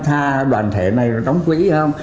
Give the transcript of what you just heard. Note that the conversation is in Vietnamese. tha đoàn thể này đóng quỹ không